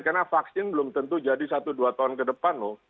karena vaksin belum tentu jadi satu dua tahun ke depan loh